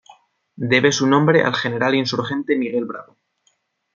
Debe su nombre al general insurgente Miguel Bravo.